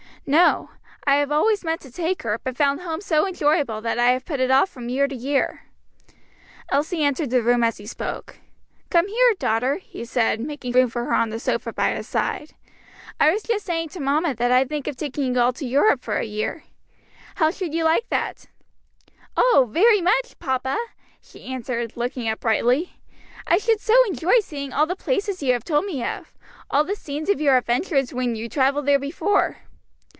"No; I have always meant to take her, but found home so enjoyable that I have put it off from year to year." Elsie entered the room as he spoke. "Come here, daughter," he said, making room for her on the sofa by his side. "I was just saying to mamma that I think of taking you all to Europe for a year. How should you like that?" "Oh, very much, papa!" she answered, looking up brightly; "I should so enjoy seeing all the places you have told me of, all the scenes of your adventures when you travelled there before."